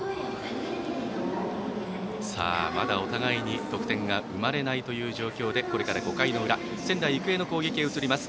さあ、まだお互いに得点が生まれないという状況でこれから５回の裏、仙台育英の攻撃へ移ります。